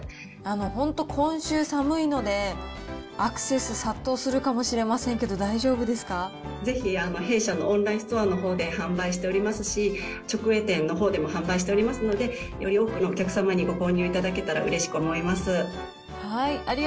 本当、今週寒いので、アクセス殺到するかもしれませんけど、ぜひ弊社のオンラインストアのほうで販売しておりますし、直営店のほうでも販売しておりますので、より多くのお客様にご購入いただけたら、うれしく思います。